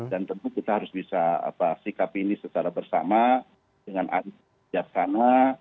dan tentu kita harus bisa sikap ini secara bersama dengan adik adik di sana